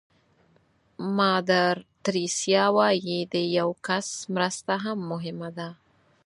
مادر تریسیا وایي د یو کس مرسته هم مهمه ده.